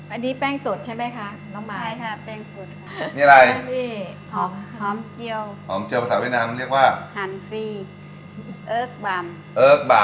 อันนี้แป้งสดใช่ไหมคะใช่ค่ะแป้งสดนี่อะไรหอมเจียวหอมเจียวภาษาเวียดนามมันเรียกว่าหันฟรีเอิร์กบาม